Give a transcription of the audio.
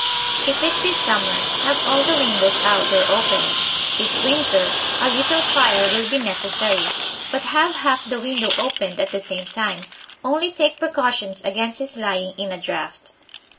If it be summer, have all the windows out or opened; if winter, a little fire will be necessary, but have half the window opened at the same time; only take precautions against his lying in a draught.